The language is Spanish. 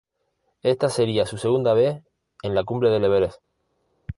Esta sería su segunda vez en la cumbre del Everest.